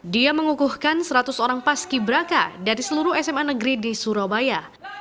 dia mengukuhkan seratus orang paski braka dari seluruh sma negeri di surabaya